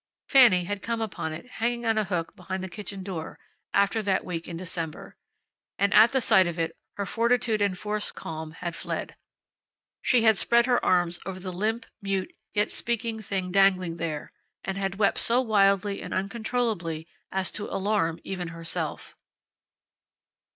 Fanny had come upon it hanging on a hook behind the kitchen door, after that week in December. And at sight of it all her fortitude and forced calm had fled. She had spread her arms over the limp, mute, yet speaking thing dangling there, and had wept so wildly and uncontrollably as to alarm even herself.